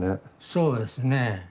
そうですね。